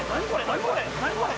何これ？